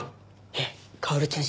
えっ薫ちゃん